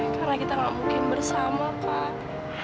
karena kita gak mungkin bersama pak